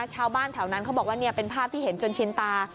ชาวบ้านแถวนั้นเขาบอกว่าเป็นภาพที่เห็นจนชินตา